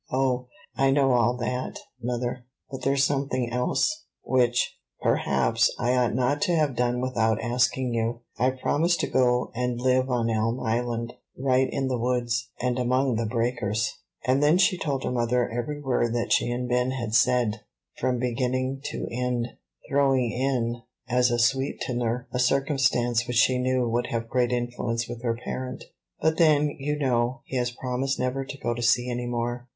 "O, I know all that, mother; but there's something else, which, perhaps, I ought not to have done without asking you. I've promised to go and live on Elm Island, right in the woods, and among the breakers;" and then she told her mother every word that she and Ben had said, from beginning to end, throwing in, as a sweetener, a circumstance which she knew would have great influence with her parent; "but then, you know, he has promised never to go to sea any more."